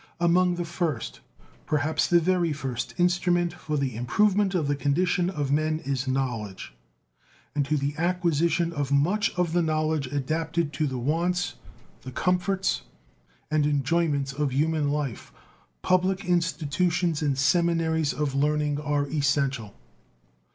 Among the first, perhaps the very first, instrument for the improvement of the condition of men is knowledge, and to the acquisition of much of the knowledge adapted to the wants, the comforts, and enjoyments of human life public institutions and seminaries of learning are essential.